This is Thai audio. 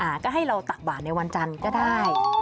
ก็ให้เราตักบาทในวันจันทร์ก็ได้